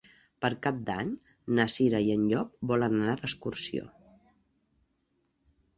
Per Cap d'Any na Cira i en Llop volen anar d'excursió.